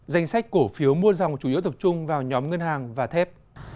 danh sách cổ phiếu mua dòng chủ yếu tập trung vào nhóm ngân hàng và thép